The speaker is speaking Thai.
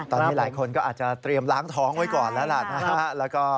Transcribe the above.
ตอนนี้หลายคนก็อาจจะเตรียมล้างท้องไว้ก่อนแล้วล่ะนะฮะ